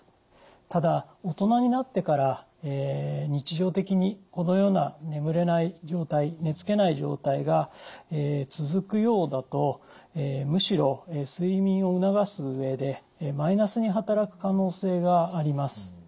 ただ大人になってから日常的にこのような眠れない状態寝つけない状態が続くようだとむしろ睡眠を促す上でマイナスに働く可能性があります。